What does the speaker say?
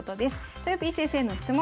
とよぴー先生の質問